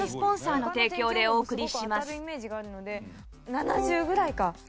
７０ぐらいか。